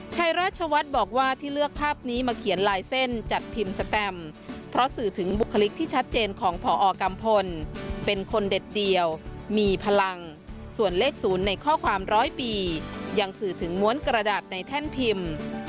ชัยราชวัฒน์บอกว่าที่เลือกภาพนี้มาเขียนลายเส้นจัดพิมพ์สแตมเพราะสื่อถึงบุคลิกที่ชัดเจนของพอกัมพลเป็นคนเด็ดเดียวมีพลังส่วนเลข๐ในข้อความร้อยปียังสื่อถึงม้วนกระดาษในแท่นพิมพ์